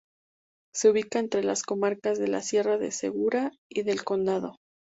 Se ubica entre las comarcas de la Sierra de Segura y del Condado.